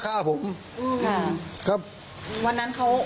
ถ้าผมไม่ทำเขาก็ฆ่าผม